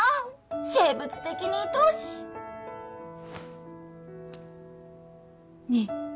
生物的に愛おしいねえ